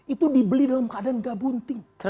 itu dibeli dalam keadaan gak bunting